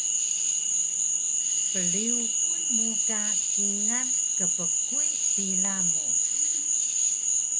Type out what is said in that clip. Pryuxun mu ka kingal kbkuy pila mu